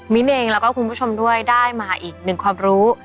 เองแล้วก็คุณผู้ชมด้วยได้มาอีกหนึ่งความรู้